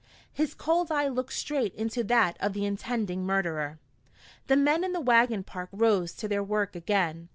His cold eye looked straight into that of the intending murderer. The men in the wagon park rose to their work again.